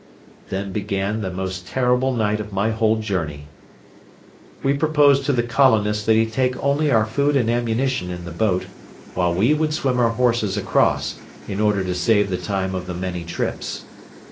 Then began the most terrible night of my whole journey. We proposed to the colonist that he take only our food and ammunition in the boat, while we would swim our horses across, in order to save the time of the many trips.